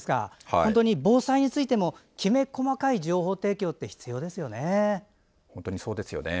本当に防災についてもきめ細かい情報提供って必要ですよね。